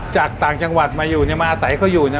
จากต่างจังหวัดมาอยู่เนี่ยมาอาศัยเขาอยู่เนี่ย